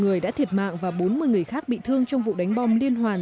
một người đã thiệt mạng và bốn mươi người khác bị thương trong vụ đánh bom liên hoàn